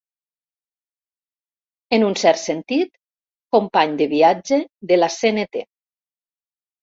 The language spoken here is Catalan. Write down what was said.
En un cert sentit, company de viatge de la Cnt.